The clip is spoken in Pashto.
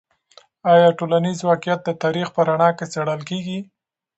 آیا ټولنیز واقعیت د تاریخ په رڼا کې څیړل کیږي؟